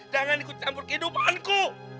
jangan ikut campur kehidupanku